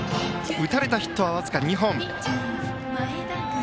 打たれたヒットは僅か２本。